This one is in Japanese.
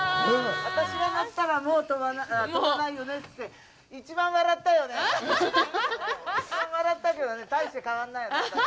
「私が乗ったらもう飛ばないよね」って言って一番笑ったけど大して変わんないよね